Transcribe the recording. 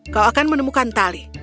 kau akan menemukan tali